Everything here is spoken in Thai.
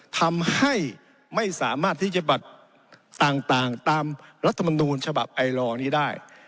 ทำให้ไม่สามารถที่จะบัตรต่างตามรัฐมนูลฉบับไอลอร์นี้ได้